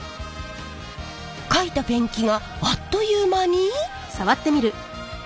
かいたペンキがあっという間に。